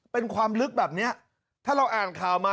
เป็นความลึกแบบนี้ถ้าเราอ่านข่าวมา